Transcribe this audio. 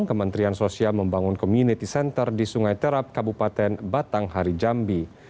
kementerian sosial membangun community center di sungai terap kabupaten batanghari jambi